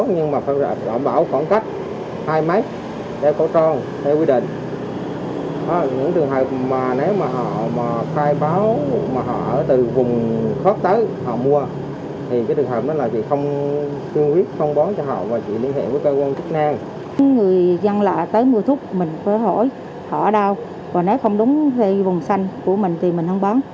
nếu mưa thúc mình phải hỏi họ ở đâu nếu không đúng vùng xanh của mình thì mình không bán